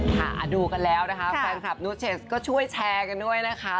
ค่ะดูกันแล้วนะคะแฟนคลับนูเชสก็ช่วยแชร์กันด้วยนะคะ